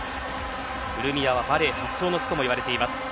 ウルミアはバレー発祥の地とも言われています。